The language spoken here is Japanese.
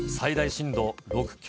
震度６強。